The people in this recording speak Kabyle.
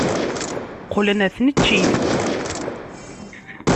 Qqlen ɣer tneččit.